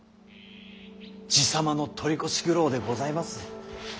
爺様の取り越し苦労でございます。